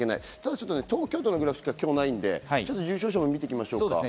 今日は東京都のグラフしかないので重症者を見ていきましょうか。